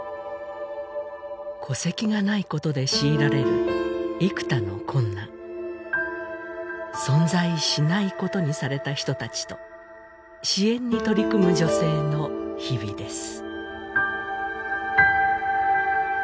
戸籍がないことで強いられる幾多の困難存在しないことにされた人たちと支援に取り組む女性の日々です